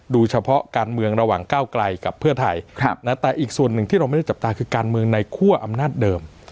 เฉพาะการเมืองระหว่างก้าวไกลกับเพื่อไทยแต่อีกส่วนหนึ่งที่เราไม่ได้จับตาคือการเมืองในคั่วอำนาจเดิม